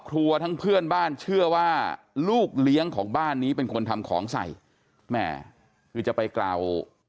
ลูกเลี้ยงของบ้านนี้เป็นคนทำของใส่แม่คือจะไปกล่าว